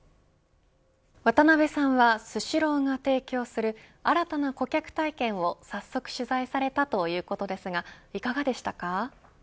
渡辺さんは、スシローが提供する新たな顧客体験を早速取材されたということですがいかがでしたか。